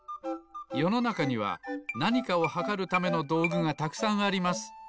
よのなかにはなにかをはかるためのどうぐがたくさんあります。